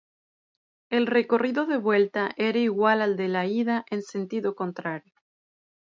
El recorrido de vuelta era igual al de la ida en sentido contrario.